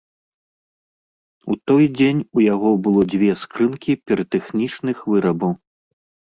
У той дзень у яго было дзве скрынкі піратэхнічных вырабаў.